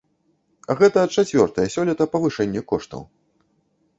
Гэта чацвёртае сёлета павышэнне коштаў.